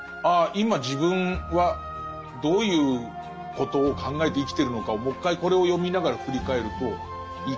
今自分はどういうことを考えて生きてるのかをもう一回これを読みながら振り返るといいかなという。